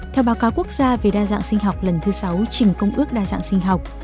theo báo cáo quốc gia về đa dạng sinh học lần thứ sáu trình công ước đa dạng sinh học